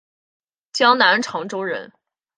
江南长洲人。